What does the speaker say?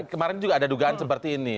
kemarin juga ada dugaan seperti ini